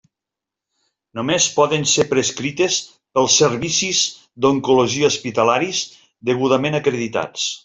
Només poden ser prescrites pels servicis d'oncologia hospitalaris degudament acreditats.